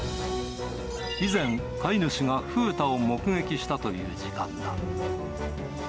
以前、飼い主がふうたを目撃したという時間だ。